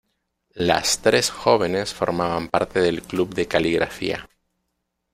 Las tres jóvenes formaban parte del club de caligrafía.